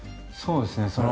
そうですね。